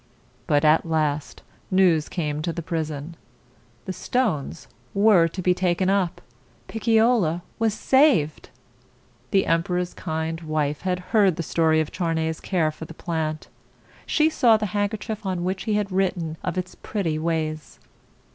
But at last news came to the prison. The stones were to be taken up. Picciola was saved! The em per or's kind wife had heard the story of Charney's care for the plant. She saw the handkerchief on which he had written of its pretty ways.